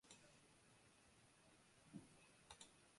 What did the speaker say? Este movimiento se conoce como un golpe de estado.